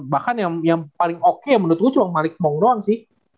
bahkan yang paling oke menurut gue cuma malik mong doang sih